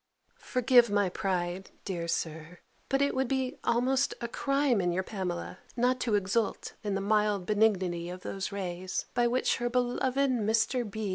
Forgive my pride, dear Sir; but it would be almost a crime in your Pamela not to exult in the mild benignity of those rays, by which her beloved Mr. B.